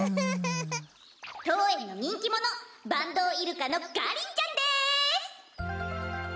とうえんのにんきものバンドウイルカのガリンちゃんです！